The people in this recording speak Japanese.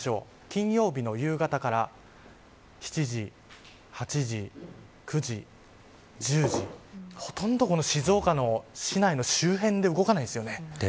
金曜日の夕方から７時、８時、９時１０時、ほとんど静岡の市内の周辺で動かないですよね。